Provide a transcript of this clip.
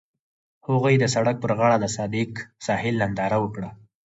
هغوی د سړک پر غاړه د صادق ساحل ننداره وکړه.